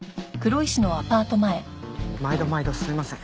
毎度毎度すいません。